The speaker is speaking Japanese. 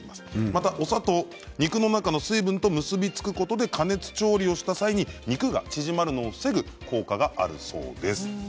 また、お砂糖は肉の中の水分と結び付くことで、加熱調理をした際に肉が縮まるのを防ぐ効果があるそうです。